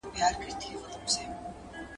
که انلاین مرسته وي نو درس نه ټکنی کیږي.